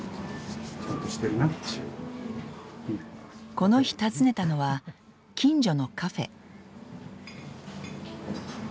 この日訪ねたのは近所のカフェ。